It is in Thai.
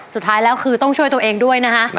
สุดท้ายแล้วคือต้องช่วยตัวเองด้วยนะฮะ